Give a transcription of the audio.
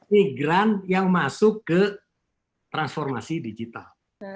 migran yang masuk ke transformasi digital